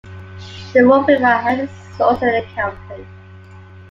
The Wolf River has its source in the county.